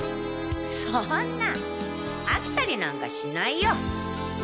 そんな飽きたりなんかしないよ。